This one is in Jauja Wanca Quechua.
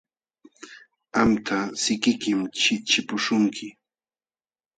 Qamta sikiykim chiqchipuśhunki.